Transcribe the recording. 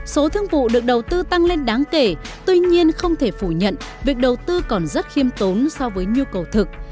số thương vụ được đầu tư tăng lên đáng kể tuy nhiên không thể phủ nhận việc đầu tư còn rất khiêm tốn so với nhu cầu thực